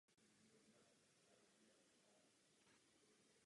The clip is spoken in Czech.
Podle soudu bylo nutné o souhlas s tímto krokem požádat akcionáře banky.